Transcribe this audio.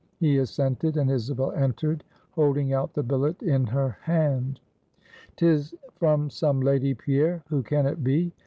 He assented; and Isabel entered, holding out the billet in her hand. "'Tis from some lady, Pierre; who can it be?